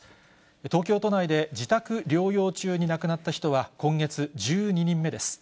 東京都内で自宅療養中に亡くなった人は、今月１２人目です。